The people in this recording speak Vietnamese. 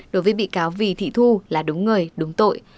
đối với bị cáo vì thị thu là đúng người đúng tội